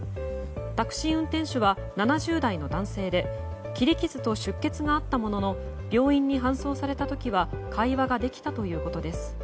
タクシー運転手は７０代の男性で切り傷と出血があったものの病院に搬送された時は会話ができたということです。